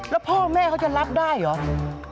แล้วพ่อแม่เขาจะรับได้เหรอ